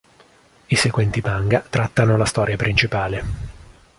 I seguenti manga trattano la storia principale.